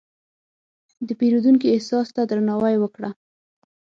د پیرودونکي احساس ته درناوی وکړه.